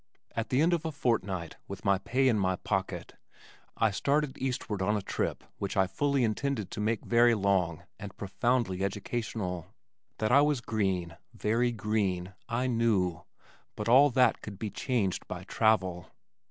At the end of a fortnight with my pay in my pocket I started eastward on a trip which I fully intended to make very long and profoundly educational. That I was green, very green, I knew but all that could be changed by travel.